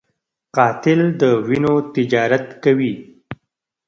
قاتل د وینو تجارت کوي